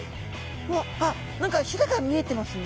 うわっあっ何かひれが見えてますね